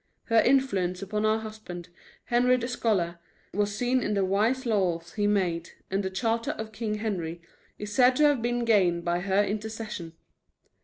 Her influence upon her husband, Henry the scholar, was seen in the wise laws he made, and the "Charter of King Henry" is said to have been gained by her intercession.